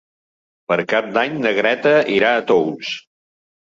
Per Cap d'Any na Greta irà a Tous.